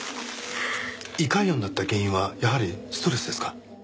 胃潰瘍になった原因はやはりストレスですか？